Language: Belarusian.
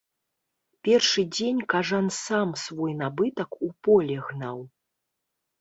Першы дзень кажан сам свой набытак у поле гнаў.